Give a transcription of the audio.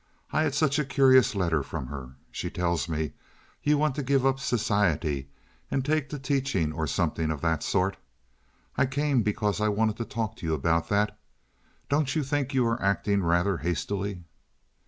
I had such a curious letter from her. She tells me you want to give up society and take to teaching or something of that sort. I came because I wanted to talk to you about that. Don't you think you are acting rather hastily?"